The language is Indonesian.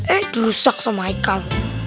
eh dirusak sama haikal